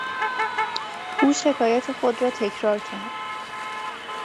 او شکایت خود را تکرار کرد.